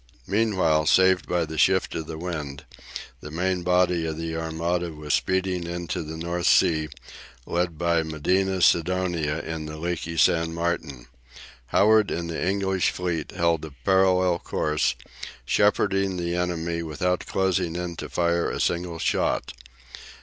Meanwhile, saved by the shift of the wind, the main body of the Armada was speeding into the North Sea, led by Medina Sidonia in the leaky "San Martin." Howard and the English fleet held a parallel course, shepherding the enemy without closing in to fire a single shot.